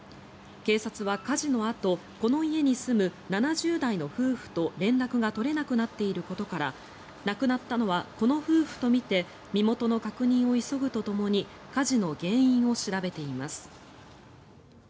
警察は、火事のあとこの家に住む７０代の夫婦と連絡が取れなくなっていることから亡くなったのはこの夫婦とみて身元の確認を急ぐとともに火事の原因を調べています。